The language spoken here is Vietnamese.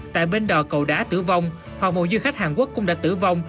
tại bên đò cầu đá tử vong hoặc một du khách hàn quốc cũng đã tử vong